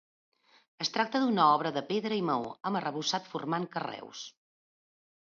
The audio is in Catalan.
Es tracta d'una obra de pedra i maó, amb arrebossat formant carreus.